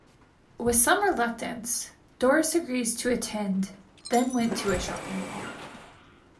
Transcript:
With some reluctance, Doris agrees to attend then went to a shopping mall.